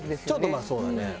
ちょっとまあそうだね。